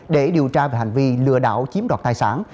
để điều tra về hành vi lừa đảo chiếm đoạt tài sản